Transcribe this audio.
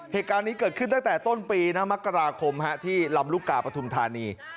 เหตุการณ์นี้เกิดขึ้นตั้งแต่ต้นปีนะมกราคมที่ลำลูกกาปฐุมธานี